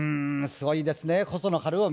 すごいですね。